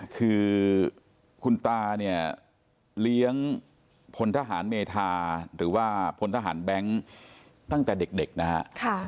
คือคุณตาเนี่ยเลี้ยงพลทหารเมธาหรือว่าพลทหารแบงค์ตั้งแต่เด็กนะฮะ